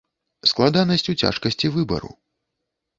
Складанасць у цяжкасці выбару.